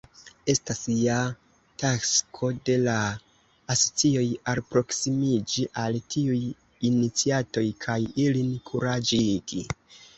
Estas ja tasko de la asocioj alproksimiĝi al tiuj iniciatoj kaj ilin kuraĝigi.